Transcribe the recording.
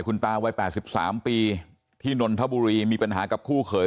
คุณตาวัย๘๓ปีที่นนทบุรีมีปัญหากับคู่เขย